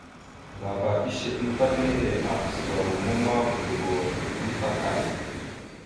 Ŋgaba ishe amətak nehe, apasəva romma ma, godogo amatəkal.